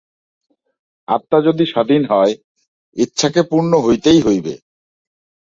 আত্মা যদি স্বাধীন হয়, ইহাকে পূর্ণ হইতেই হইবে।